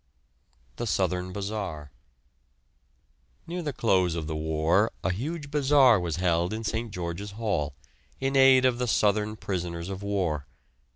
THE SOUTHERN BAZAAR. Near the close of the war a huge bazaar was held in St. George's Hall, in aid of the southern prisoners of war.